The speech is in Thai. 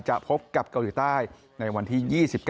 พบกับเกาหลีใต้ในวันที่๒๙